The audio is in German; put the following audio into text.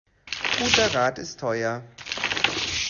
Guter Rat ist teuer.